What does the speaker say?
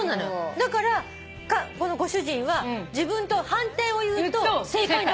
だからこのご主人は自分と反対を言うと正解なわけ。